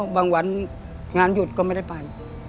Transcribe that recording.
วันงานหยุดก็ไม่ได้ไป